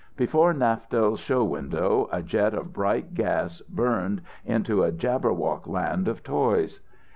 Before Naftel's show window, a jet of bright gas burned into a jibberwock land of toys.